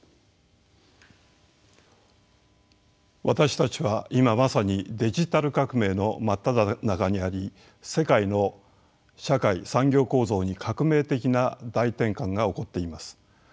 私たちは今まさにデジタル革命の真っただ中にあり世界の社会・産業構造に革命的な大転換が起こっています。